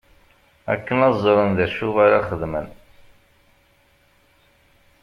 Akken ad ẓren d acu ara xedmen.